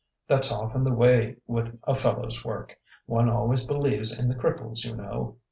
That's often the way with a fellow's work; one always believes in the cripples, you know....